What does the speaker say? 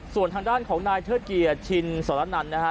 ส่วนทางด้านของนายเทศเกียร์ชินสลนนัฐนะคะ